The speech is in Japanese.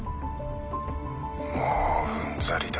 ☎もううんざりだ